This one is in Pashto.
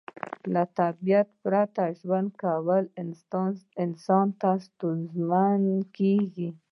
له طبیعت پرته ژوند کول انسان ته ستونزمن کیږي